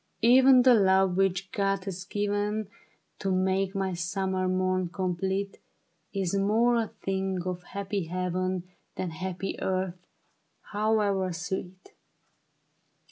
" Even the love which God has given To make my summer morn complete, Is more a thing of happy heaven Than happy earth, however sweet.